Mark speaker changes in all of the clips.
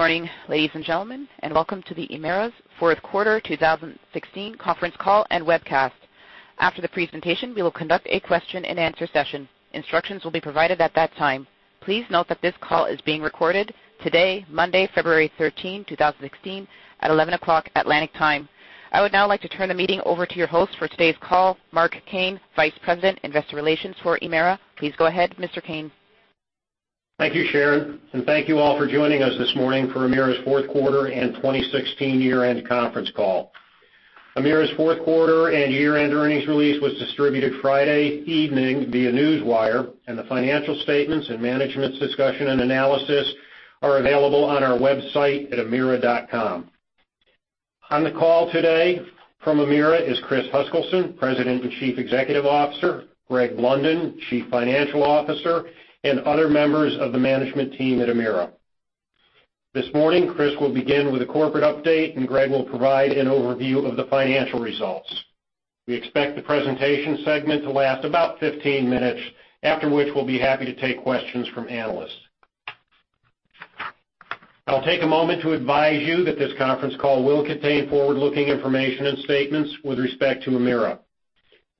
Speaker 1: Good morning, ladies and gentlemen, welcome to Emera's fourth quarter 2016 conference call and webcast. After the presentation, we will conduct a question and answer session. Instructions will be provided at that time. Please note that this call is being recorded today, Monday, February 13, 2016, at 11:00 A.M., Atlantic time. I would now like to turn the meeting over to your host for today's call, Mark Kane, Vice President, Investor Relations for Emera. Please go ahead, Mr. Kane.
Speaker 2: Thank you, Sharon, thank you all for joining us this morning for Emera's fourth quarter and 2016 year-end conference call. Emera's fourth quarter and year-end earnings release was distributed Friday evening via Newswire, and the financial statements and management's discussion and analysis are available on our website at emera.com. On the call today from Emera is Chris Huskilson, President and Chief Executive Officer, Greg Blunden, Chief Financial Officer, and other members of the management team at Emera. This morning, Chris will begin with a corporate update, and Greg will provide an overview of the financial results. We expect the presentation segment to last about 15 minutes, after which we will be happy to take questions from analysts. I will take a moment to advise you that this conference call will contain forward-looking information and statements with respect to Emera.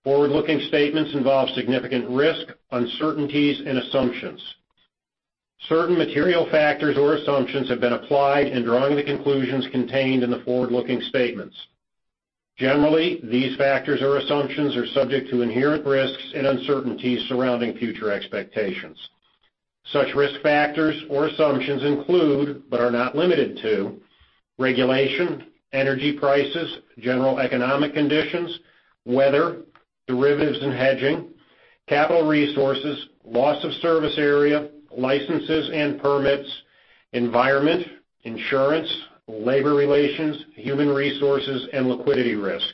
Speaker 2: Forward-looking statements involve significant risk, uncertainties and assumptions. Certain material factors or assumptions have been applied in drawing the conclusions contained in the forward-looking statements. Generally, these factors or assumptions are subject to inherent risks and uncertainties surrounding future expectations. Such risk factors or assumptions include, but are not limited to, regulation, energy prices, general economic conditions, weather, derivatives and hedging, capital resources, loss of service area, licenses and permits, environment, insurance, labor relations, human resources, and liquidity risk.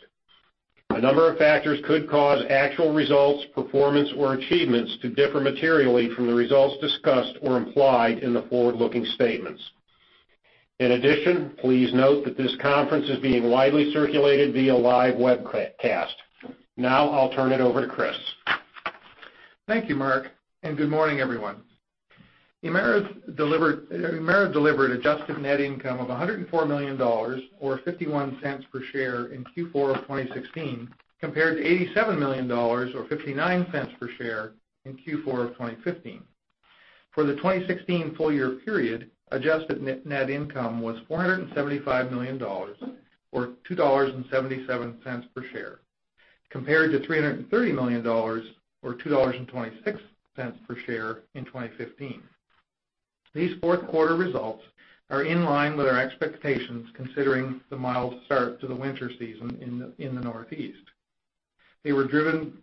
Speaker 2: A number of factors could cause actual results, performance or achievements to differ materially from the results discussed or implied in the forward-looking statements. In addition, please note that this conference is being widely circulated via live webcast. Now I will turn it over to Chris.
Speaker 3: Thank you, Mark, and good morning, everyone. Emera delivered adjusted net income of 104 million dollars, or 0.51 per share in Q4 of 2016, compared to 87 million dollars or 0.59 per share in Q4 of 2015. For the 2016 full year period, adjusted net income was 475 million dollars or 2.77 dollars per share, compared to 330 million dollars or 2.26 dollars per share in 2015. These fourth quarter results are in line with our expectations considering the mild start to the winter season in the Northeast. They were driven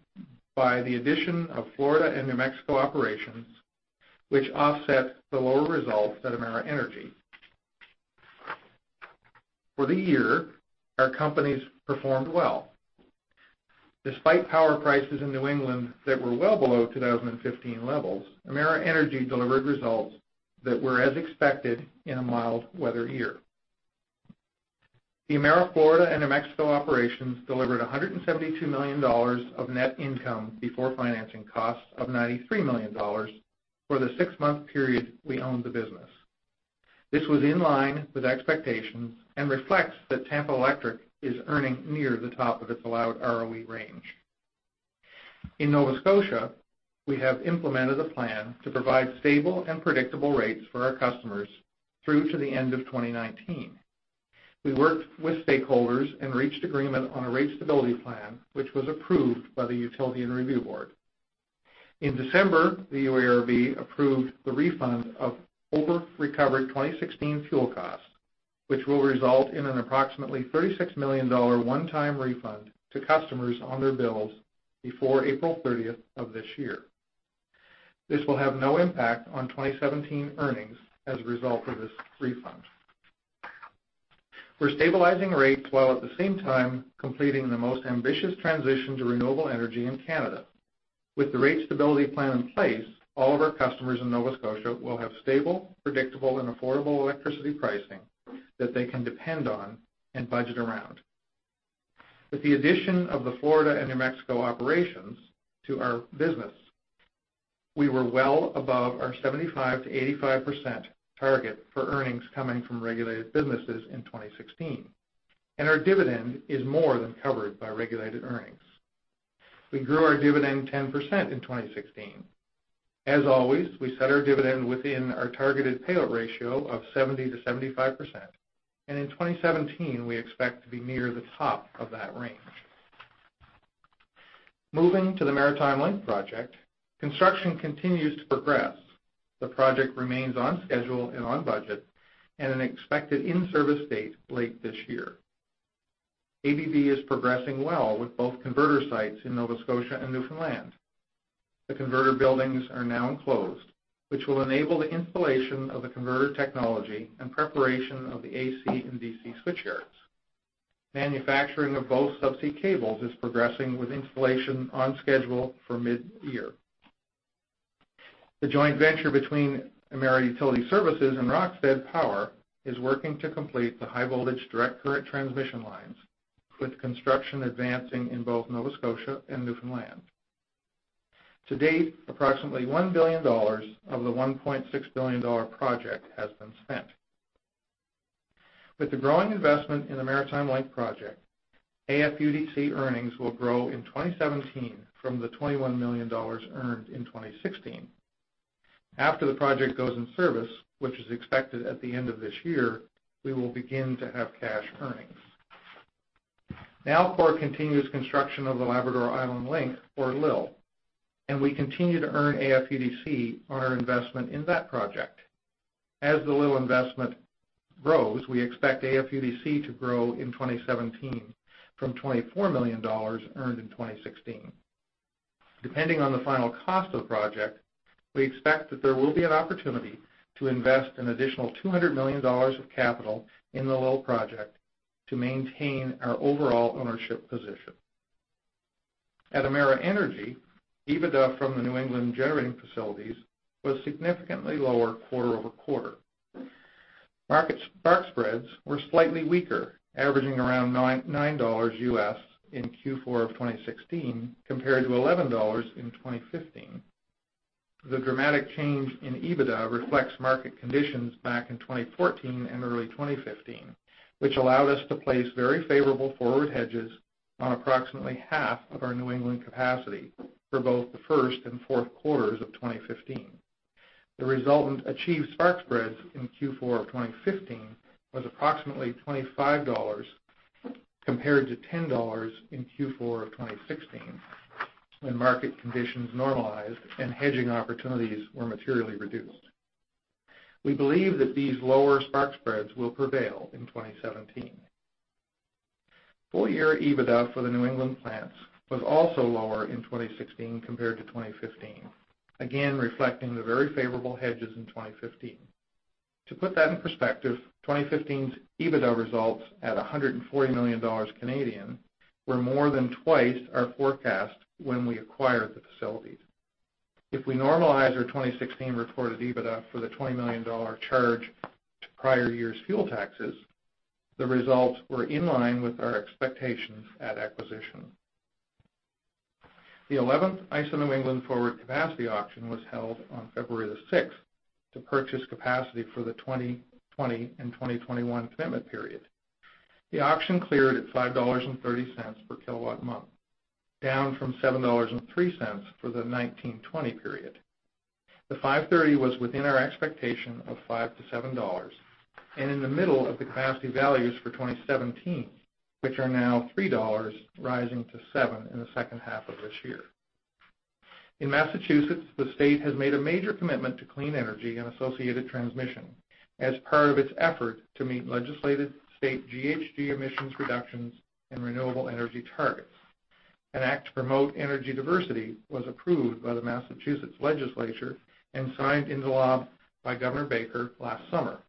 Speaker 3: by the addition of Emera Florida and New Mexico operations, which offset the lower results at Emera Energy. For the year, our companies performed well. Despite power prices in New England that were well below 2015 levels, Emera Energy delivered results that were as expected in a mild weather year. The Emera Florida and New Mexico operations delivered 172 million dollars of net income before financing costs of 93 million dollars for the six-month period we owned the business. This was in line with expectations and reflects that Tampa Electric is earning near the top of its allowed ROE range. In Nova Scotia, we have implemented a plan to provide stable and predictable rates for our customers through to the end of 2019. We worked with stakeholders and reached agreement on a rate stability plan, which was approved by the Utility and Review Board. In December, the UARB approved the refund of over-recovered 2016 fuel costs, which will result in an approximately 36 million dollar one-time refund to customers on their bills before April 30th of this year. This will have no impact on 2017 earnings as a result of this refund. We're stabilizing rates while at the same time completing the most ambitious transition to renewable energy in Canada. With the rate stability plan in place, all of our customers in Nova Scotia will have stable, predictable and affordable electricity pricing that they can depend on and budget around. With the addition of the Florida and New Mexico operations to our business, we were well above our 75%-85% target for earnings coming from regulated businesses in 2016, and our dividend is more than covered by regulated earnings. We grew our dividend 10% in 2016. As always, we set our dividend within our targeted payout ratio of 70%-75%, and in 2017, we expect to be near the top of that range. Moving to the Maritime Link project, construction continues to progress. The project remains on schedule and on budget, and an expected in-service date late this year. ABB is progressing well with both converter sites in Nova Scotia and Newfoundland. The converter buildings are now enclosed, which will enable the installation of the converter technology and preparation of the AC and DC switchyards. Manufacturing of both subsea cables is progressing with installation on schedule for mid-year. The joint venture between Emera Utility Services and Rokstad Power is working to complete the high voltage direct current transmission lines with construction advancing in both Nova Scotia and Newfoundland. To date, approximately 1 billion dollars of the 1.6 billion dollar project has been spent. With the growing investment in the Maritime Link project, AFUDC earnings will grow in 2017 from the 21 million dollars earned in 2016. After the project goes in service, which is expected at the end of this year, we will begin to have cash earnings. Nalcor Energy continues construction of the Labrador-Island Link, or LIL, and we continue to earn AFUDC on our investment in that project. As the LIL investment grows, we expect AFUDC to grow in 2017 from 24 million dollars earned in 2016. Depending on the final cost of the project, we expect that there will be an opportunity to invest an additional 200 million dollars of capital in the LIL project to maintain our overall ownership position. At Emera Energy, EBITDA from the New England generating facilities was significantly lower quarter-over-quarter. Market spark spreads were slightly weaker, averaging around $9 in Q4 of 2016, compared to $11 in 2015. The dramatic change in EBITDA reflects market conditions back in 2014 and early 2015, which allowed us to place very favorable forward hedges on approximately half of our New England capacity for both the first and fourth quarters of 2015. The resultant achieved spark spreads in Q4 of 2015 was approximately 25 dollars, compared to 10 dollars in Q4 of 2016, when market conditions normalized and hedging opportunities were materially reduced. We believe that these lower spark spreads will prevail in 2017. Full year EBITDA for the New England plants was also lower in 2016 compared to 2015, again reflecting the very favorable hedges in 2015. To put that in perspective, 2015's EBITDA results at 140 million Canadian dollars were more than twice our forecast when we acquired the facilities. If we normalize our 2016 reported EBITDA for the 20 million dollar charge to prior year's fuel taxes, the results were in line with our expectations at acquisition. The 11th ISO New England forward capacity auction was held on February the 6th to purchase capacity for the 2020 and 2021 commitment period. The auction cleared at 5.30 dollars per kilowatt month, down from 7.03 dollars for the 2019-2020 period. The 5.30 was within our expectation of 5 to 7 dollars and in the middle of the capacity values for 2017, which are now 3 dollars, rising to 7 in the second half of this year. In Massachusetts, the state has made a major commitment to clean energy and associated transmission as part of its effort to meet legislated state GHG emissions reductions and renewable energy targets. An Act to Promote Energy Diversity was approved by the Massachusetts legislature and signed into law by Governor Baker last summer.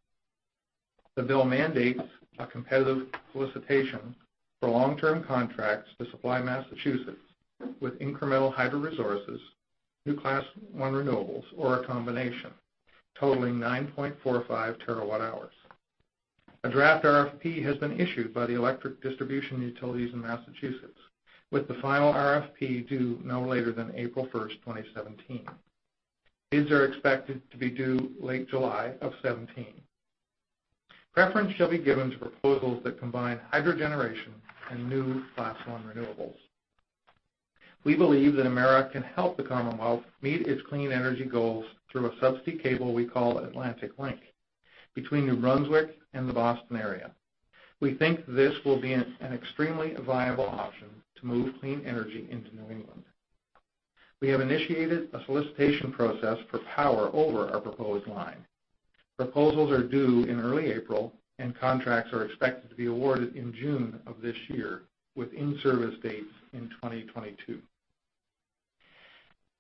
Speaker 3: The bill mandates a competitive solicitation for long-term contracts to supply Massachusetts with incremental hydro resources, new Class I renewables, or a combination totaling 9.45 terawatt-hours. A draft RFP has been issued by the electric distribution utilities in Massachusetts, with the final RFP due no later than April 1st, 2017. Bids are expected to be due late July of 2017. Preference shall be given to proposals that combine hydro generation and new Class I renewables. We believe that Emera can help the Commonwealth meet its clean energy goals through a subsea cable we call Atlantic Link between New Brunswick and the Boston area. We think this will be an extremely viable option to move clean energy into New England. We have initiated a solicitation process for power over our proposed line. Proposals are due in early April, and contracts are expected to be awarded in June of this year, with in-service dates in 2022.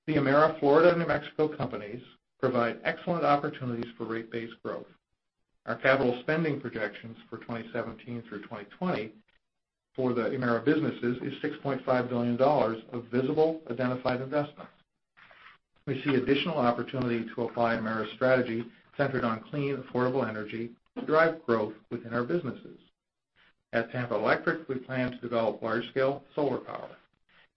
Speaker 3: The Emera Florida and New Mexico companies provide excellent opportunities for rate-based growth. Our capital spending projections for 2017 through 2020 for the Emera businesses is 6.5 billion dollars of visible, identified investments. We see additional opportunity to apply Emera's strategy centered on clean, affordable energy to drive growth within our businesses. At Tampa Electric, we plan to develop large-scale solar power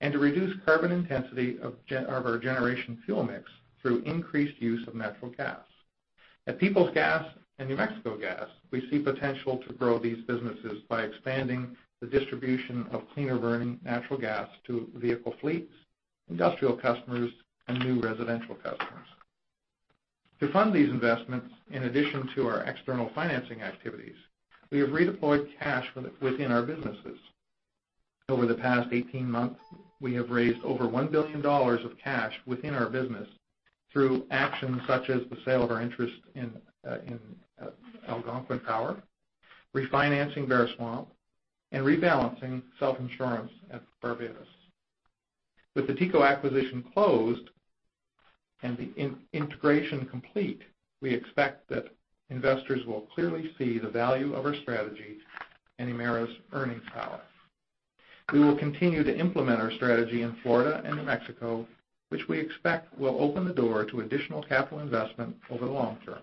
Speaker 3: and to reduce carbon intensity of our generation fuel mix through increased use of natural gas. At Peoples Gas and New Mexico Gas, we see potential to grow these businesses by expanding the distribution of cleaner-burning natural gas to vehicle fleets, industrial customers, and new residential customers. To fund these investments, in addition to our external financing activities, we have redeployed cash within our businesses. Over the past 18 months, we have raised over 1 billion dollars of cash within our business through actions such as the sale of our interest in Algonquin Power, refinancing Bear Swamp, and rebalancing self-insurance at our business. With the TECO acquisition closed and the integration complete, we expect that investors will clearly see the value of our strategy and Emera's earnings power. We will continue to implement our strategy in Florida and New Mexico, which we expect will open the door to additional capital investment over the long term.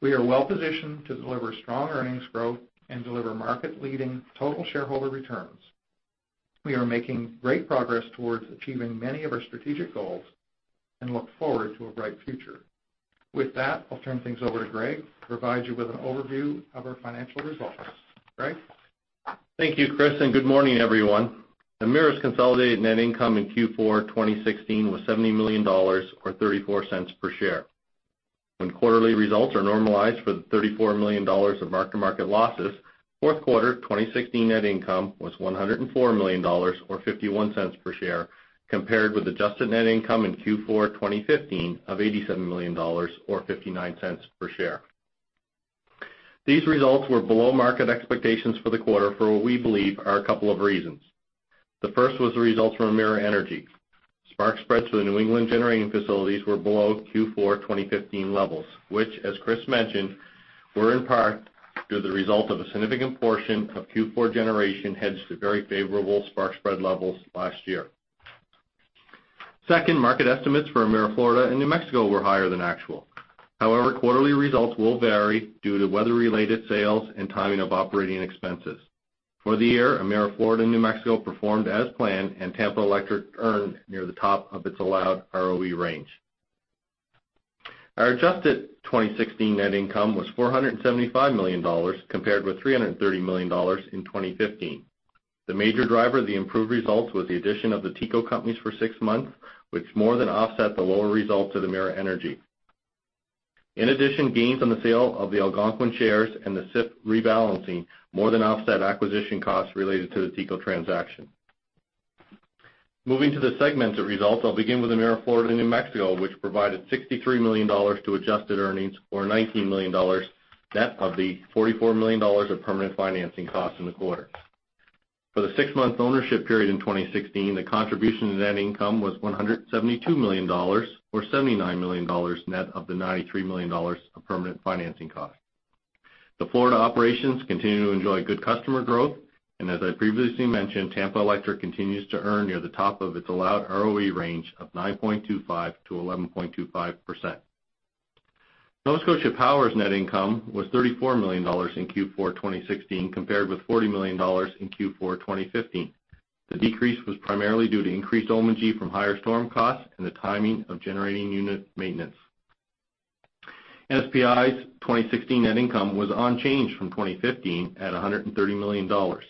Speaker 3: We are well-positioned to deliver strong earnings growth and deliver market-leading total shareholder returns. We are making great progress towards achieving many of our strategic goals and look forward to a bright future. With that, I'll turn things over to Greg to provide you with an overview of our financial results. Greg?
Speaker 4: Thank you, Chris. Good morning, everyone. Emera's consolidated net income in Q4 2016 was 70 million dollars, or 0.34 per share. When quarterly results are normalized for the 34 million dollars of mark-to-market losses, fourth quarter 2016 net income was 104 million dollars, or 0.51 per share, compared with adjusted net income in Q4 2015 of 87 million dollars, or 0.59 per share. These results were below market expectations for the quarter for what we believe are a couple of reasons. The first was the results from Emera Energy. Spark spreads for the New England generating facilities were below Q4 2015 levels, which, as Chris mentioned, were in part due to the result of a significant portion of Q4 generation hedged to very favorable spark spread levels last year. Second, market estimates for Emera Florida and New Mexico were higher than actual. Quarterly results will vary due to weather-related sales and timing of operating expenses. For the year, Emera Florida and New Mexico performed as planned, and Tampa Electric earned near the top of its allowed ROE range. Our adjusted 2016 net income was 475 million dollars, compared with 330 million dollars in 2015. The major driver of the improved results was the addition of the TECO companies for six months, which more than offset the lower results of Emera Energy. In addition, gains on the sale of the Algonquin shares and the SIF rebalancing more than offset acquisition costs related to the TECO transaction. Moving to the segmented results, I'll begin with Emera Florida and New Mexico, which provided 63 million dollars to adjusted earnings, or 19 million dollars net of the 44 million dollars of permanent financing costs in the quarter. For the six-month ownership period in 2016, the contribution to net income was 172 million dollars, or 79 million dollars net of the 93 million dollars of permanent financing costs. The Florida operations continue to enjoy good customer growth, and as I previously mentioned, Tampa Electric continues to earn near the top of its allowed ROE range of 9.25%-11.25%. Nova Scotia Power's net income was 34 million dollars in Q4 2016, compared with 40 million dollars in Q4 2015. The decrease was primarily due to increased O&M from higher storm costs and the timing of generating unit maintenance. NSPI's 2016 net income was unchanged from 2015 at 130 million dollars.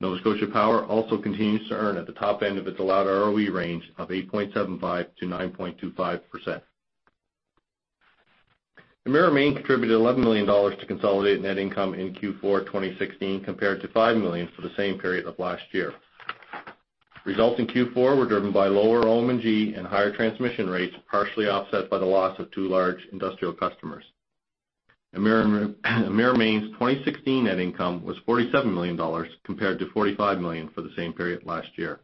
Speaker 4: Nova Scotia Power also continues to earn at the top end of its allowed ROE range of 8.75%-9.25%. Emera Maine contributed 11 million dollars to consolidated net income in Q4 2016, compared to 5 million for the same period of last year. Results in Q4 were driven by lower O&G and higher transmission rates, partially offset by the loss of two large industrial customers. Emera Maine's 2016 net income was 47 million dollars, compared to 45 million for the same period last year.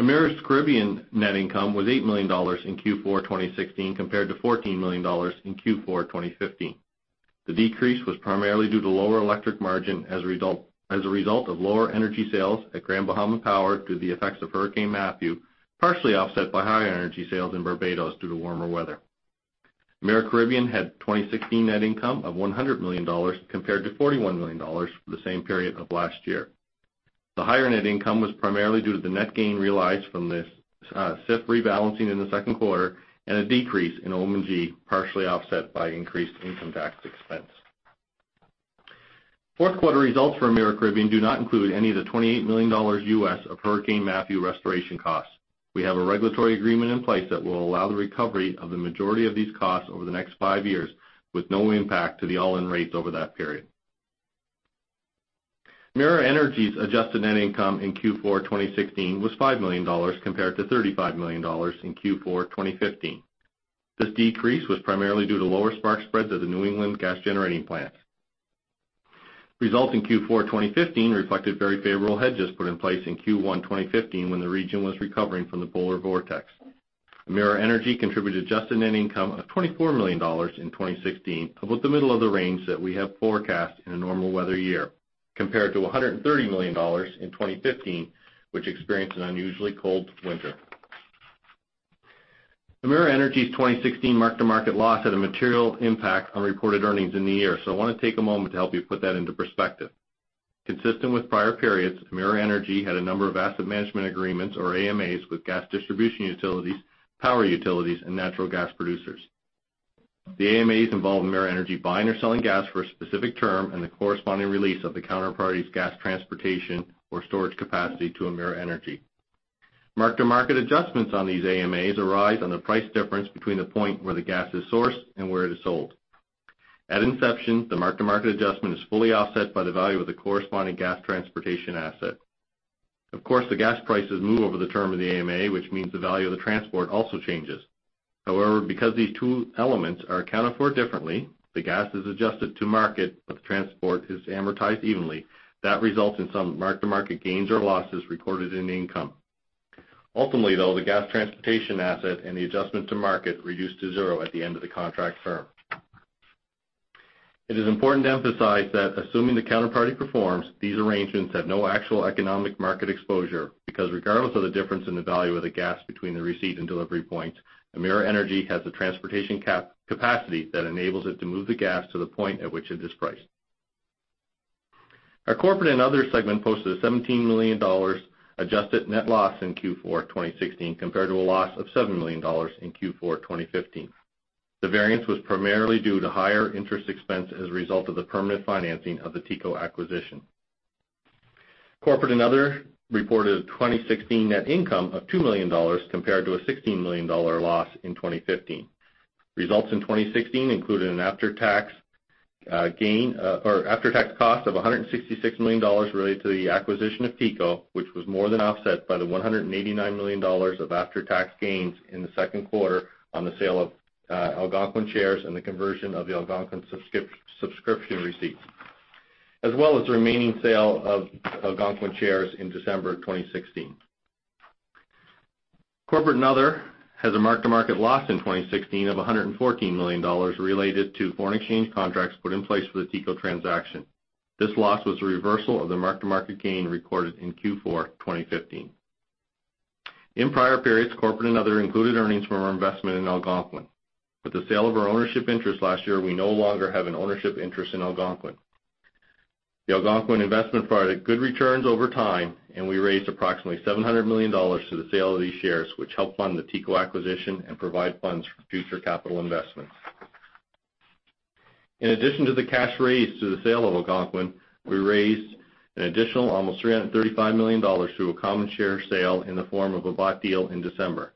Speaker 4: Emera Caribbean net income was 8 million dollars in Q4 2016, compared to 14 million dollars in Q4 2015. The decrease was primarily due to lower electric margin as a result of lower energy sales at Grand Bahama Power due to the effects of Hurricane Matthew, partially offset by higher energy sales in Barbados due to warmer weather. Emera Caribbean had 2016 net income of 100 million dollars, compared to 41 million dollars for the same period of last year. The higher net income was primarily due to the net gain realized from the SIF rebalancing in the second quarter and a decrease in O&G, partially offset by increased income tax expense. Fourth quarter results for Emera Caribbean do not include any of the $28 million U.S. of Hurricane Matthew restoration costs. We have a regulatory agreement in place that will allow the recovery of the majority of these costs over the next five years, with no impact to the all-in rates over that period. Emera Energy's adjusted net income in Q4 2016 was 5 million dollars, compared to 35 million dollars in Q4 2015. This decrease was primarily due to lower spark spreads at the New England gas generating plants. Results in Q4 2015 reflected very favorable hedges put in place in Q1 2015 when the region was recovering from the polar vortex. Emera Energy contributed adjusted net income of 24 million dollars in 2016, about the middle of the range that we have forecast in a normal weather year, compared to 130 million dollars in 2015, which experienced an unusually cold winter. Emera Energy's 2016 mark-to-market loss had a material impact on reported earnings in the year. I want to take a moment to help you put that into perspective. Consistent with prior periods, Emera Energy had a number of asset management agreements, or AMAs, with gas distribution utilities, power utilities, and natural gas producers. The AMAs involve Emera Energy buying or selling gas for a specific term and the corresponding release of the counterparty's gas transportation or storage capacity to Emera Energy. Mark-to-market adjustments on these AMAs arise on the price difference between the point where the gas is sourced and where it is sold. At inception, the mark-to-market adjustment is fully offset by the value of the corresponding gas transportation asset. Of course, the gas prices move over the term of the AMA, which means the value of the transport also changes. Because these two elements are accounted for differently, the gas is adjusted to market, but the transport is amortized evenly. That results in some mark-to-market gains or losses recorded in income. Ultimately, though, the gas transportation asset and the adjustment to market reduce to zero at the end of the contract term. It is important to emphasize that assuming the counterparty performs, these arrangements have no actual economic market exposure, because regardless of the difference in the value of the gas between the receipt and delivery points, Emera Energy has the transportation capacity that enables it to move the gas to the point at which it is priced. Our corporate and other segment posted a 17 million dollars adjusted net loss in Q4 2016 compared to a loss of 7 million dollars in Q4 2015. The variance was primarily due to higher interest expense as a result of the permanent financing of the TECO acquisition. Corporate and other reported 2016 net income of 2 million dollars compared to a 16 million dollar loss in 2015. Results in 2016 included an after-tax cost of 166 million dollars related to the acquisition of TECO, which was more than offset by the 189 million dollars of after-tax gains in the second quarter on the sale of Algonquin shares and the conversion of the Algonquin subscription receipts, as well as the remaining sale of Algonquin shares in December of 2016. Corporate and other had a mark-to-market loss in 2016 of 114 million dollars related to foreign exchange contracts put in place for the TECO transaction. This loss was a reversal of the mark-to-market gain recorded in Q4 2015. In prior periods, corporate and other included earnings from our investment in Algonquin. With the sale of our ownership interest last year, we no longer have an ownership interest in Algonquin. The Algonquin investment provided good returns over time, and we raised approximately 700 million dollars to the sale of these shares, which helped fund the TECO acquisition and provide funds for future capital investments. In addition to the cash raised through the sale of Algonquin, we raised an additional almost 335 million dollars through a common share sale in the form of a bought deal in December.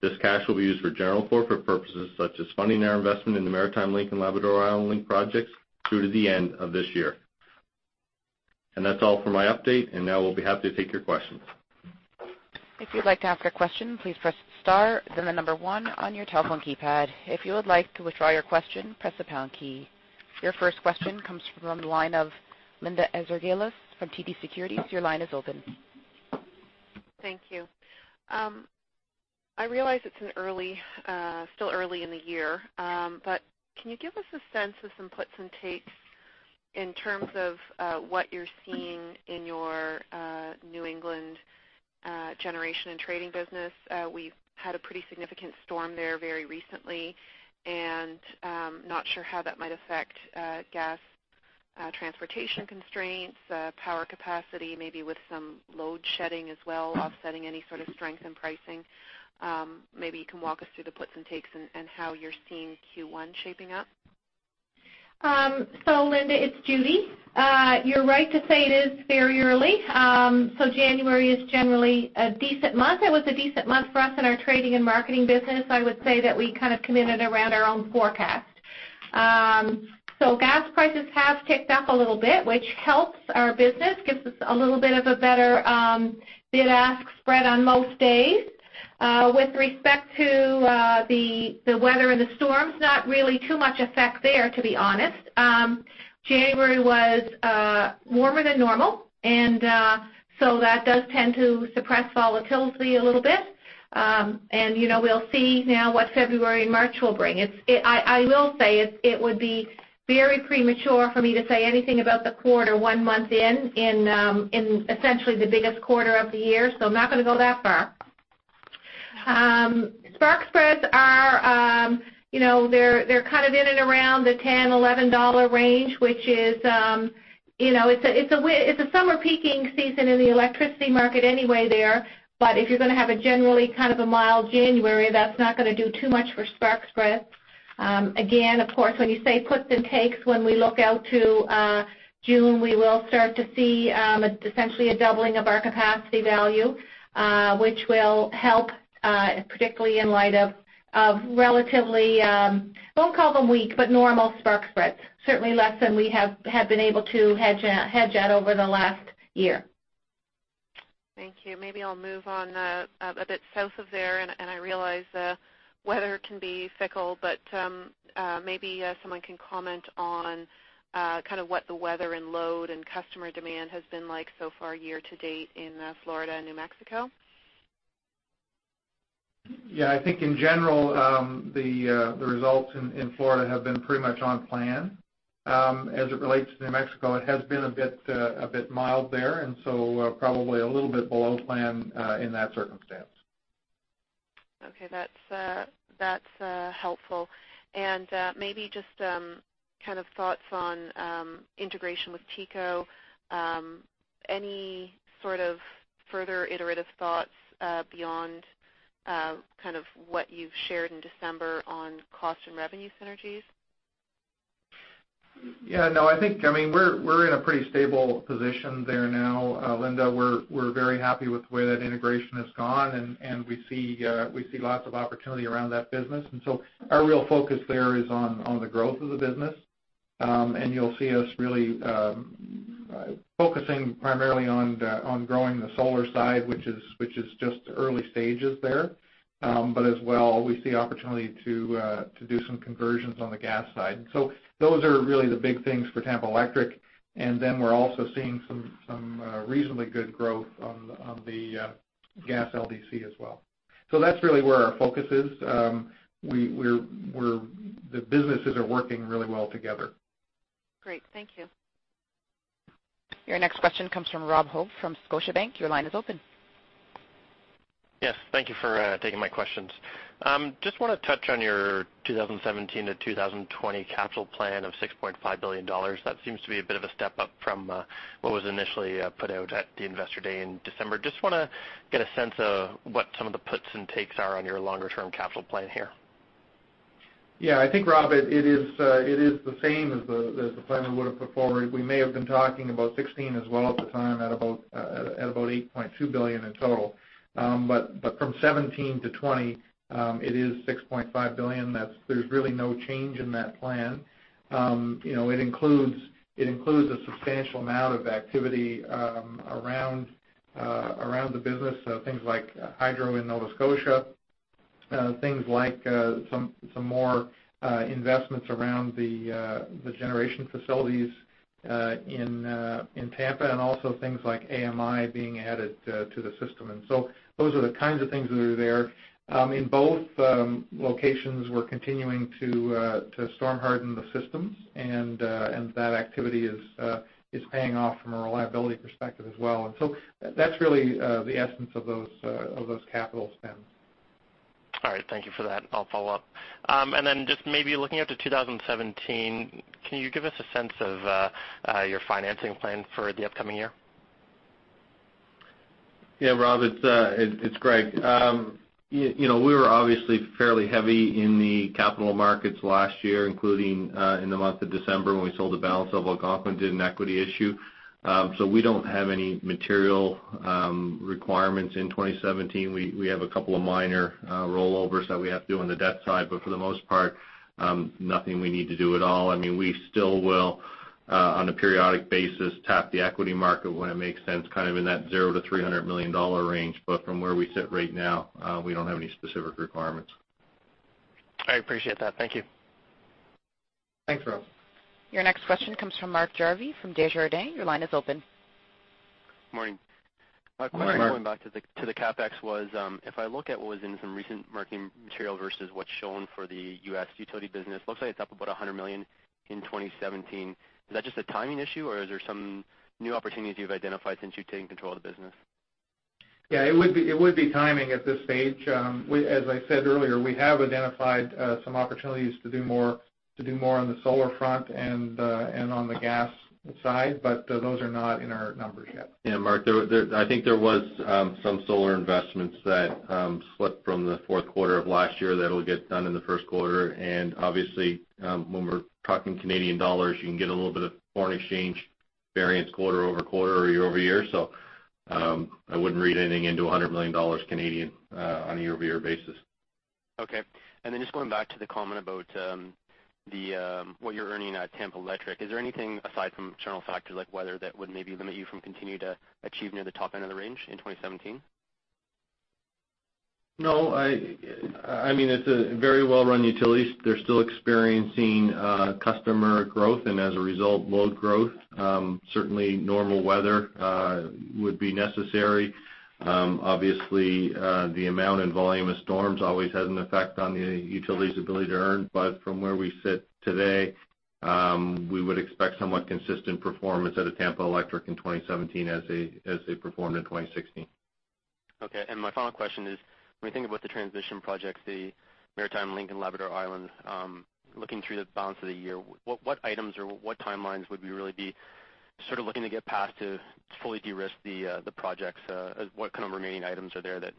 Speaker 4: This cash will be used for general corporate purposes, such as funding our investment in the Maritime Link and Labrador-Island Link projects through to the end of this year. That's all for my update, and now we'll be happy to take your questions.
Speaker 1: If you'd like to ask a question, please press star, then the number 1 on your telephone keypad. If you would like to withdraw your question, press the pound key. Your first question comes from the line of Linda Ezergailis from TD Securities. Your line is open.
Speaker 5: Thank you. I realize it's still early in the year, but can you give us a sense of some puts and takes in terms of what you're seeing in your New England generation and trading business? We've had a pretty significant storm there very recently, and not sure how that might affect gas transportation constraints, power capacity, maybe with some load shedding as well, offsetting any sort of strength in pricing. Maybe you can walk us through the puts and takes and how you're seeing Q1 shaping up.
Speaker 6: Linda, it's Judy. You're right to say it is very early. January is generally a decent month. It was a decent month for us in our trading and marketing business. I would say that we kind of committed around our own forecast. Gas prices have ticked up a little bit, which helps our business, gives us a little bit of a better bid-ask spread on most days. With respect to the weather and the storms, not really too much effect there, to be honest. January was warmer than normal, that does tend to suppress volatility a little bit. We'll see now what February and March will bring. I will say it would be very premature for me to say anything about the quarter one month in essentially the biggest quarter of the year. I'm not going to go that far. Spark spreads, they're kind of in and around the 10, 11 dollar range. It's a summer peaking season in the electricity market anyway there. If you're going to have a generally kind of a mild January, that's not going to do too much for spark spreads. Again, of course, when you say puts and takes, when we look out to June, we will start to see essentially a doubling of our capacity value, which will help, particularly in light of relatively, won't call them weak, but normal spark spreads. Certainly less than we have been able to hedge at over the last year.
Speaker 5: Thank you. Maybe I'll move on a bit south of there. I realize weather can be fickle, maybe someone can comment on kind of what the weather and load and customer demand has been like so far year to date in Florida and New Mexico.
Speaker 4: I think in general, the results in Florida have been pretty much on plan. As it relates to New Mexico, it has been a bit mild there, probably a little bit below plan in that circumstance.
Speaker 5: Okay, that's helpful. Maybe just kind of thoughts on integration with TECO. Any sort of further iterative thoughts beyond kind of what you've shared in December on cost and revenue synergies?
Speaker 3: Yeah. No, I think we're in a pretty stable position there now, Linda. We're very happy with the way that integration has gone, and we see lots of opportunity around that business. Our real focus there is on the growth of the business. You'll see us really focusing primarily on growing the solar side, which is just early stages there. As well, we see opportunity to do some conversions on the gas side. Those are really the big things for Tampa Electric. Then we're also seeing some reasonably good growth on the gas LDC as well. That's really where our focus is. The businesses are working really well together.
Speaker 5: Great. Thank you.
Speaker 1: Your next question comes from Robert Hope from Scotiabank. Your line is open.
Speaker 7: Yes. Thank you for taking my questions. I just want to touch on your 2017 to 2020 capital plan of 6.5 billion dollars. That seems to be a bit of a step up from what was initially put out at the Investor Day in December. I just want to get a sense of what some of the puts and takes are on your longer-term capital plan here.
Speaker 3: I think, Rob, it is the same as the plan we would've put forward. We may have been talking about 2016 as well at the time at about 8.2 billion in total. From 2017 to 2020, it is 6.5 billion. There's really no change in that plan. It includes a substantial amount of activity around the business, so things like hydro in Nova Scotia, things like some more investments around the generation facilities in Tampa, and also things like AMI being added to the system. Those are the kinds of things that are there. In both locations, we're continuing to storm harden the systems, and that activity is paying off from a reliability perspective as well. That's really the essence of those capital spends.
Speaker 7: All right. Thank you for that. I'll follow up. Just maybe looking out to 2017, can you give us a sense of your financing plan for the upcoming year?
Speaker 4: Rob, it's Greg. We were obviously fairly heavy in the capital markets last year, including in the month of December when we sold the balance of Algonquin, did an equity issue. We don't have any material requirements in 2017. We have a couple of minor rollovers that we have to do on the debt side, but for the most part, nothing we need to do at all. We still will, on a periodic basis, tap the equity market when it makes sense, kind of in that 0 to 300 million dollar range. From where we sit right now, we don't have any specific requirements.
Speaker 7: I appreciate that. Thank you.
Speaker 3: Thanks, Rob.
Speaker 1: Your next question comes from Mark Jarvi from Desjardins. Your line is open.
Speaker 8: Morning.
Speaker 3: Morning, Mark.
Speaker 8: A question going back to the CapEx was, if I look at what was in some recent marketing material versus what's shown for the U.S. utility business, looks like it's up about 100 million in 2017. Is that just a timing issue, or is there some new opportunities you've identified since you've taken control of the business?
Speaker 3: Yeah, it would be timing at this stage. As I said earlier, we have identified some opportunities to do more on the solar front and on the gas side, but those are not in our numbers yet.
Speaker 4: Yeah, Mark, I think there was some solar investments that slipped from the fourth quarter of last year that'll get done in the first quarter. Obviously, when we're talking Canadian dollars, you can get a little bit of foreign exchange variance quarter-over-quarter or year-over-year. I wouldn't read anything into 100 million Canadian dollars Canadian on a year-over-year basis.
Speaker 8: Okay. Then just going back to the comment about what you're earning at Tampa Electric, is there anything aside from general factors like weather that would maybe limit you from continuing to achieve near the top end of the range in 2017?
Speaker 4: No. It's a very well-run utility. They're still experiencing customer growth, as a result, load growth. Certainly, normal weather would be necessary. Obviously, the amount and volume of storms always has an effect on the utility's ability to earn. From where we sit today, we would expect somewhat consistent performance out of Tampa Electric in 2017 as they performed in 2016.
Speaker 8: Okay. My final question is, when we think about the transition projects, the Maritime Link and Labrador Island, looking through the balance of the year, what items or what timelines would you really be sort of looking to get past to fully de-risk the projects? What kind of remaining items are there that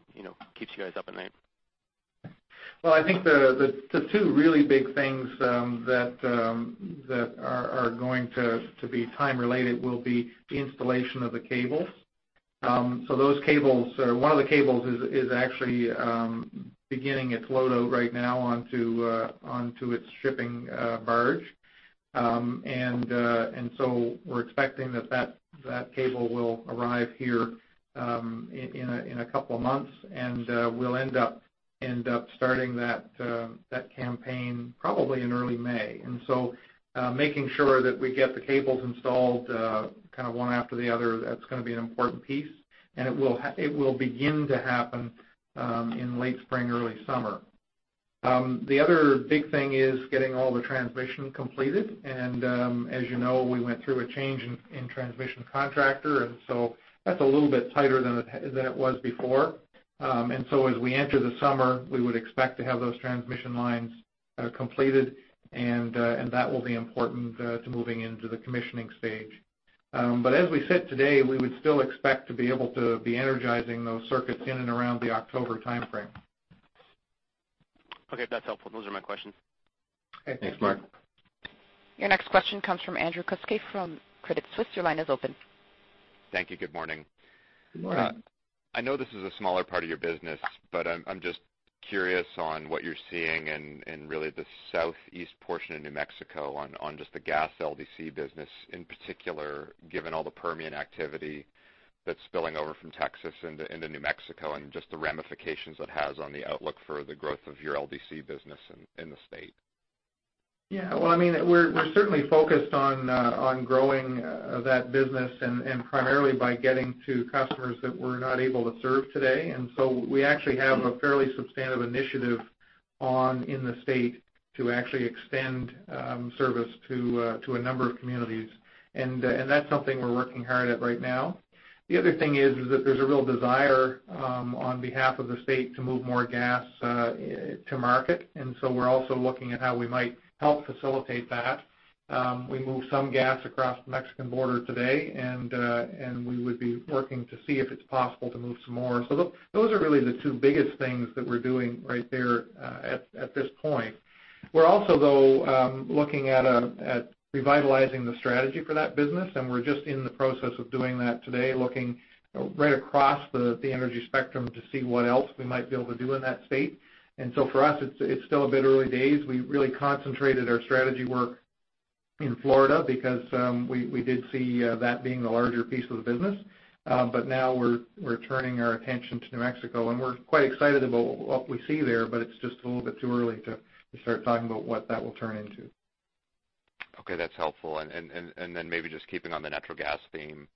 Speaker 8: keeps you guys up at night?
Speaker 3: Well, I think the two really big things that are going to be time related will be the installation of the cables. Those cables, one of the cables is actually beginning its load out right now onto its shipping barge. We're expecting that cable will arrive here in a couple of months, and we'll end up starting that campaign probably in early May. Making sure that we get the cables installed kind of one after the other, that's going to be an important piece, it will begin to happen in late spring, early summer. The other big thing is getting all the transmission completed, as you know, we went through a change in transmission contractor, so that's a little bit tighter than it was before. As we enter the summer, we would expect to have those transmission lines completed, and that will be important to moving into the commissioning stage. As we sit today, we would still expect to be able to be energizing those circuits in and around the October timeframe.
Speaker 8: Okay. That's helpful. Those are my questions.
Speaker 3: Okay.
Speaker 4: Thanks, Mark.
Speaker 1: Your next question comes from Andrew Kuske from Credit Suisse. Your line is open.
Speaker 9: Thank you. Good morning.
Speaker 3: Good morning.
Speaker 9: I know this is a smaller part of your business. I'm just curious on what you're seeing in really the southeast portion of New Mexico on just the gas LDC business in particular, given all the Permian activity that's spilling over from Texas into New Mexico and just the ramifications it has on the outlook for the growth of your LDC business in the state.
Speaker 3: We're certainly focused on growing that business, primarily by getting to customers that we're not able to serve today. We actually have a fairly substantive initiative on in the state to actually extend service to a number of communities. That's something we're working hard at right now. The other thing is that there's a real desire, on behalf of the state, to move more gas to market. We're also looking at how we might help facilitate that. We move some gas across the Mexican border today, and we would be working to see if it's possible to move some more. Those are really the two biggest things that we're doing right there at this point. We're also, though, looking at revitalizing the strategy for that business, and we're just in the process of doing that today, looking right across the energy spectrum to see what else we might be able to do in that state. For us, it's still a bit early days. We really concentrated our strategy work in Florida because we did see that being the larger piece of the business. Now we're turning our attention to New Mexico, and we're quite excited about what we see there, but it's just a little bit too early to start talking about what that will turn into.
Speaker 9: Okay, that's helpful. Maybe just keeping on the natural gas theme,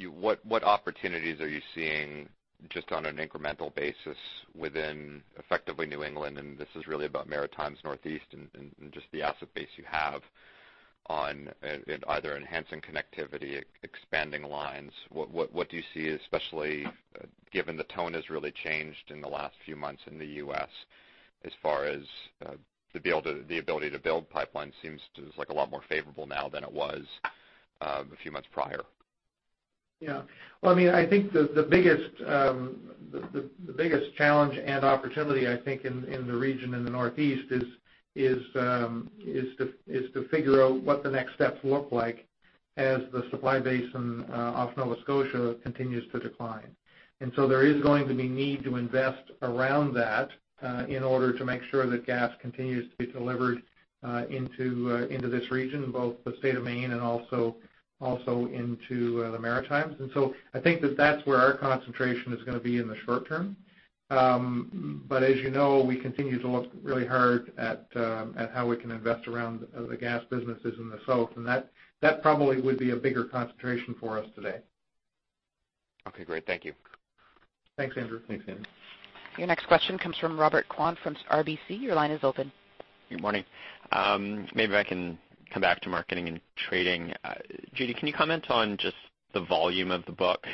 Speaker 9: what opportunities are you seeing, just on an incremental basis within effectively New England, and this is really about Maritimes Northeast and just the asset base you have on either enhancing connectivity, expanding lines. What do you see, especially given the tone has really changed in the last few months in the U.S. as far as the ability to build pipelines seems to. It's a lot more favorable now than it was a few months prior.
Speaker 3: Yeah. I think the biggest challenge and opportunity, I think, in the region in the Northeast is to figure out what the next steps look like as the supply base off Nova Scotia continues to decline. There is going to be need to invest around that, in order to make sure that gas continues to be delivered into this region, both the state of Maine and also into the Maritimes. I think that that's where our concentration is going to be in the short term. As you know, we continue to look really hard at how we can invest around the gas businesses in the South, and that probably would be a bigger concentration for us today.
Speaker 9: Okay, great. Thank you.
Speaker 3: Thanks, Andrew.
Speaker 2: Thanks, Andrew.
Speaker 1: Your next question comes from Robert Kwan from RBC. Your line is open.
Speaker 10: Good morning. Maybe I can come back to marketing and trading. Judy, can you comment on just the volume of the book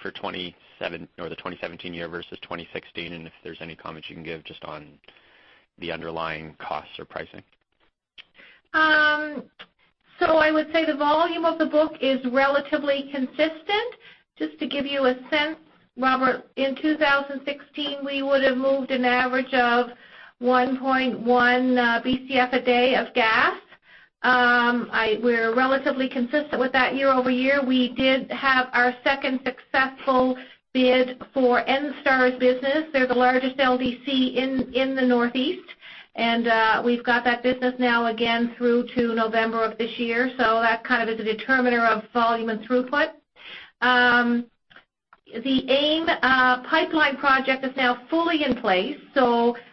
Speaker 10: for the 2017 year versus 2016, and if there is any comments you can give just on the underlying costs or pricing?
Speaker 6: I would say the volume of the book is relatively consistent. Just to give you a sense, Robert, in 2016, we would've moved an average of 1.1 Bcf a day of gas. We're relatively consistent with that year-over-year. We did have our second successful bid for NSTAR's business. They're the largest LDC in the Northeast. We've got that business now again through to November of this year, so that kind of is a determiner of volume and throughput. The AIM Pipeline project is now fully in place.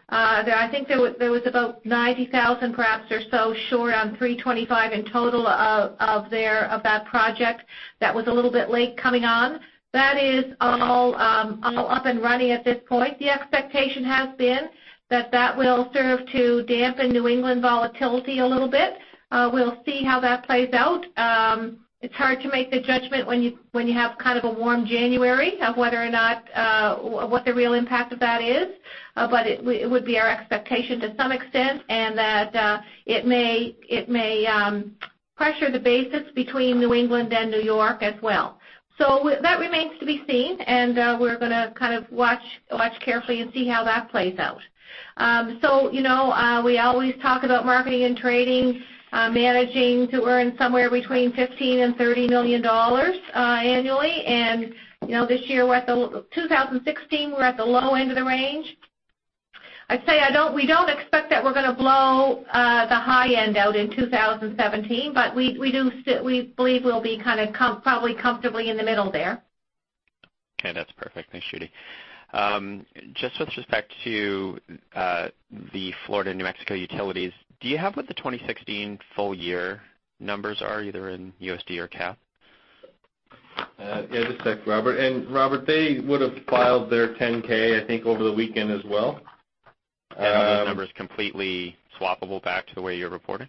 Speaker 6: I think there was about 90,000, perhaps or so, short on 325 in total of that project that was a little bit late coming on. That is all up and running at this point. The expectation has been that that will serve to dampen New England volatility a little bit. We'll see how that plays out. It's hard to make the judgment when you have kind of a warm January of what the real impact of that is. It would be our expectation to some extent, and that it may pressure the basis between New England and New York as well. That remains to be seen, and we're going to kind of watch carefully and see how that plays out. We always talk about marketing and trading, managing to earn somewhere between 15 million and 30 million dollars annually. This year, 2016, we're at the low end of the range. I'd say we don't expect that we're going to blow the high end out in 2017, but we believe we'll be kind of probably comfortably in the middle there.
Speaker 10: Okay, that's perfect. Thanks, Judy. Just with respect to the Florida and New Mexico utilities, do you have what the 2016 full year numbers are, either in USD or CAD?
Speaker 3: Yeah, just a sec, Robert. Robert, they would've filed their 10-K, I think, over the weekend as well.
Speaker 10: Are those numbers completely swappable back to the way you're reporting?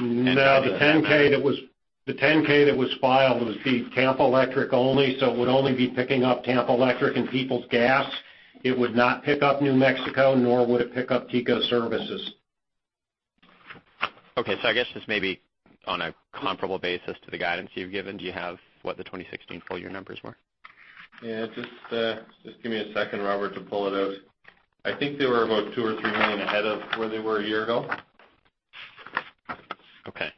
Speaker 3: No.
Speaker 2: The 10-K that was filed would be Tampa Electric only, it would only be picking up Tampa Electric and Peoples Gas. It would not pick up New Mexico, nor would it pick up TECO Services.
Speaker 10: Okay. I guess just maybe on a comparable basis to the guidance you've given, do you have what the 2016 full year numbers were?
Speaker 3: Yeah, just give me a second, Robert, to pull it out. I think they were about $2 million or $3 million ahead of where they were a year ago.
Speaker 10: Okay.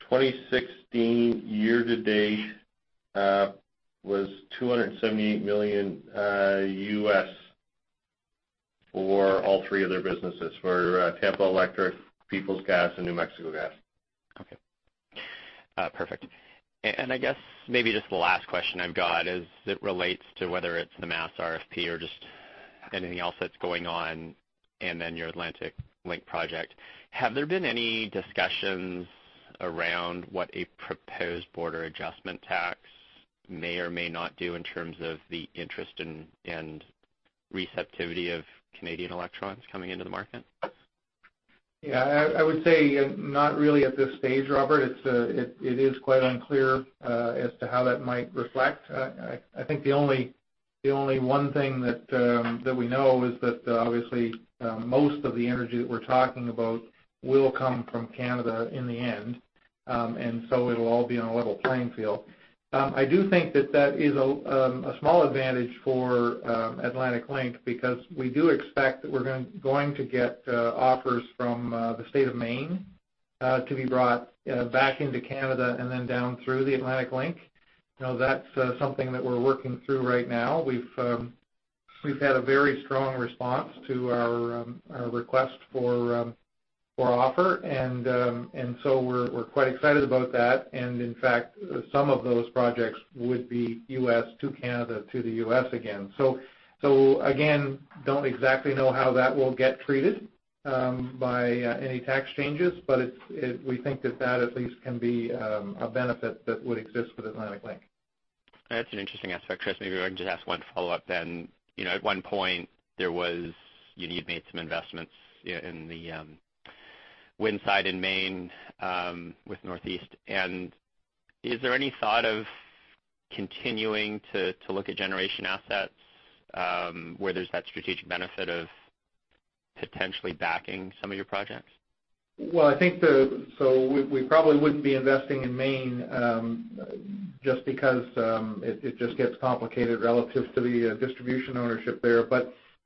Speaker 3: 2016 year to date was $278 million for all three of their businesses, for Tampa Electric, Peoples Gas, and New Mexico Gas.
Speaker 10: Perfect. I guess maybe just the last question I've got is it relates to whether it's the Mass RFP or just anything else that's going on, then your Atlantic Link project. Have there been any discussions around what a proposed border adjustment tax may or may not do in terms of the interest and receptivity of Canadian electrons coming into the market?
Speaker 3: I would say not really at this stage, Robert. It is quite unclear as to how that might reflect. I think the only one thing that we know is that obviously, most of the energy that we're talking about will come from Canada in the end. It'll all be on a level playing field. I do think that is a small advantage for Atlantic Link because we do expect that we're going to get offers from the state of Maine, to be brought back into Canada and then down through the Atlantic Link. That's something that we're working through right now. We've had a very strong response to our request for offer. We're quite excited about that. In fact, some of those projects would be U.S. to Canada to the U.S. again. Again, don't exactly know how that will get treated by any tax changes, but we think that at least can be a benefit that would exist with Atlantic Link.
Speaker 10: That's an interesting aspect, Chris. Maybe I can just ask one follow-up then. At one point, you need to make some investments in the wind site in Maine, with Northeast. Is there any thought of continuing to look at generation assets, where there's that strategic benefit of potentially backing some of your projects?
Speaker 3: Well, I think we probably wouldn't be investing in Maine, just because it just gets complicated relative to the distribution ownership there.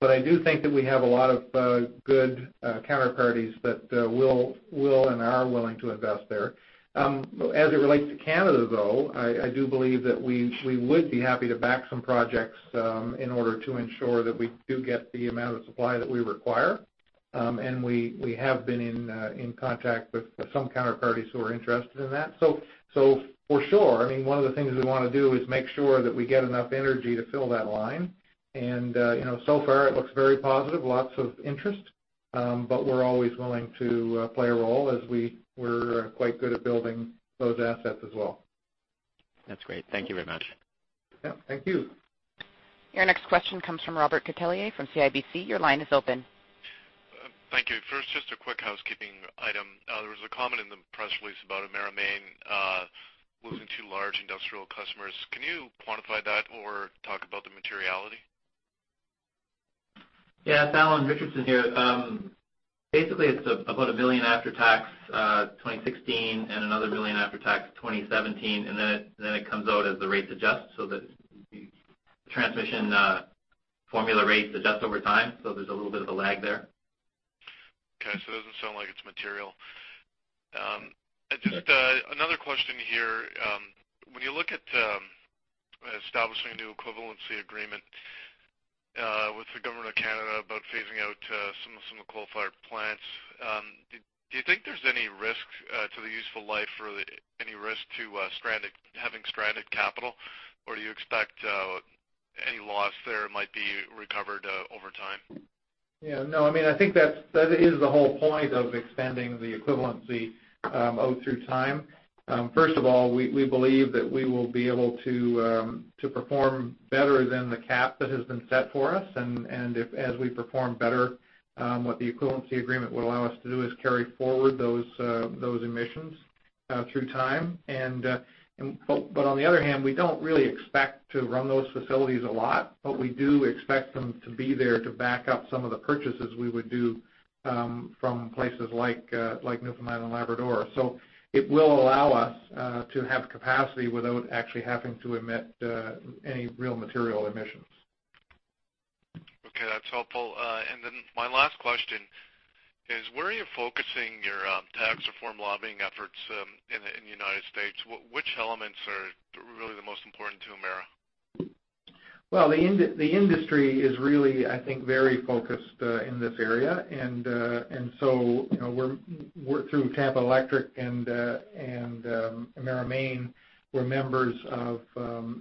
Speaker 3: I do think that we have a lot of good counterparties that will and are willing to invest there. As it relates to Canada, though, I do believe that we would be happy to back some projects in order to ensure that we do get the amount of supply that we require. We have been in contact with some counterparties who are interested in that. For sure, one of the things we want to do is make sure that we get enough energy to fill that line. So far it looks very positive, lots of interest. We're always willing to play a role as we're quite good at building those assets as well.
Speaker 10: That's great. Thank you very much.
Speaker 3: Yeah. Thank you.
Speaker 1: Your next question comes from Robert Catellier from CIBC. Your line is open.
Speaker 11: Thank you. First, just a quick housekeeping item. There was a comment in the press release about Emera Maine losing two large industrial customers. Can you quantify that or talk about the materiality?
Speaker 12: Yeah, Alan Richardson here. Basically, it's about 1 million after-tax 2016, another 1 million after-tax 2017, then it comes out as the rates adjust. The transmission formula rate adjusts over time, there's a little bit of a lag there.
Speaker 11: Okay. It doesn't sound like it's material.
Speaker 12: Right.
Speaker 11: Just another question here. When you look at establishing a new Equivalency Agreement with the Government of Canada about phasing out some of the coal-fired plants, do you think there's any risk to the useful life or any risk to having stranded capital? Or do you expect any loss there might be recovered over time?
Speaker 3: I think that is the whole point of extending the Equivalency Agreement out through time. First of all, we believe that we will be able to perform better than the cap that has been set for us. As we perform better, what the Equivalency Agreement would allow us to do is carry forward those emissions through time. On the other hand, we don't really expect to run those facilities a lot, but we do expect them to be there to back up some of the purchases we would do from places like Newfoundland and Labrador. It will allow us to have capacity without actually having to emit any real material emissions.
Speaker 11: Okay, that's helpful. My last question is, where are you focusing your tax reform lobbying efforts in the U.S.? Which elements are really the most important to Emera?
Speaker 3: The industry is really very focused in this area. Through Tampa Electric and Emera Maine, we're members of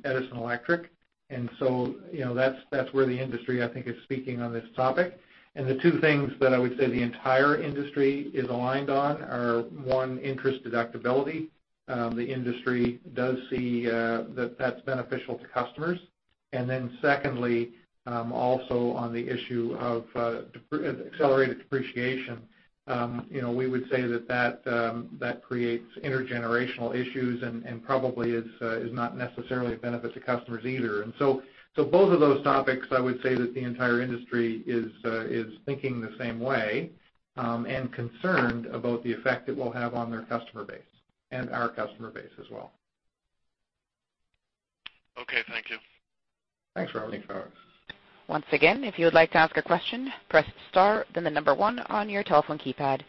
Speaker 3: Edison Electric. That's where the industry is speaking on this topic. The two things that I would say the entire industry is aligned on are, one, interest deductibility. The industry does see that that's beneficial to customers. Secondly, also on the issue of accelerated depreciation. We would say that creates intergenerational issues and probably is not necessarily a benefit to customers either. Both of those topics, I would say that the entire industry is thinking the same way, and concerned about the effect it will have on their customer base and our customer base as well.
Speaker 11: Okay. Thank you.
Speaker 3: Thanks, Robert.
Speaker 1: Once again, if you would like to ask a question, press star, then the number one on your telephone keypad.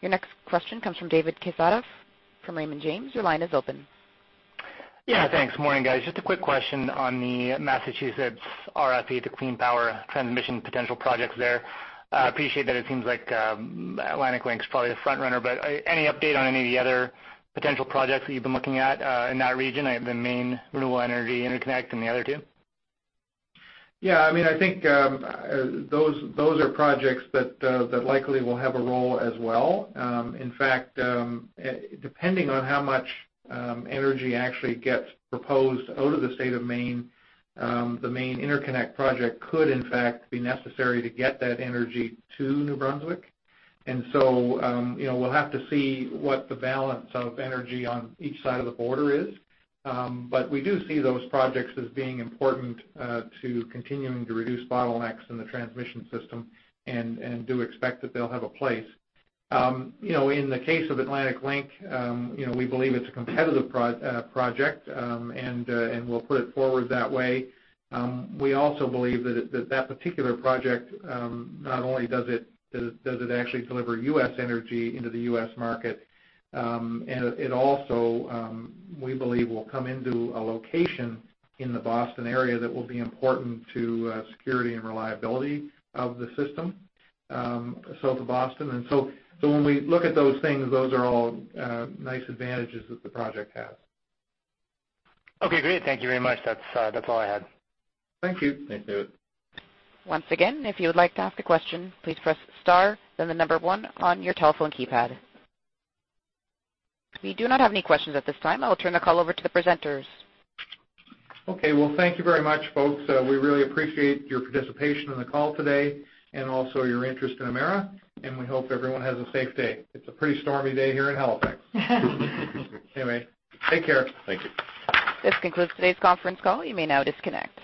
Speaker 1: Your next question comes from David Kisegov from Raymond James. Your line is open.
Speaker 13: Yeah, thanks. Morning, guys. Just a quick question on the Massachusetts RFP, the clean power transmission potential projects there. I appreciate that it seems like Atlantic Link's probably the front-runner, but any update on any of the other potential projects that you've been looking at in that region, the Maine Renewable Energy Interconnect and the other two?
Speaker 3: I think those are projects that likely will have a role as well. In fact, depending on how much energy actually gets proposed out of the state of Maine, the Maine interconnect project could in fact be necessary to get that energy to New Brunswick. We'll have to see what the balance of energy on each side of the border is. We do see those projects as being important to continuing to reduce bottlenecks in the transmission system and do expect that they'll have a place. In the case of Atlantic Link, we believe it's a competitive project, we'll put it forward that way. We also believe that that particular project, not only does it actually deliver U.S. energy into the U.S. market, it also, we believe, will come into a location in the Boston area that will be important to security and reliability of the system south of Boston. When we look at those things, those are all nice advantages that the project has.
Speaker 13: Okay, great. Thank you very much. That's all I had.
Speaker 3: Thank you.
Speaker 4: Thanks, David.
Speaker 1: Once again, if you would like to ask a question, please press star, then the number one on your telephone keypad. We do not have any questions at this time. I will turn the call over to the presenters.
Speaker 3: Okay. Well, thank you very much, folks. We really appreciate your participation in the call today and also your interest in Emera, and we hope everyone has a safe day. It's a pretty stormy day here in Halifax. Anyway, take care.
Speaker 4: Thank you.
Speaker 1: This concludes today's conference call. You may now disconnect.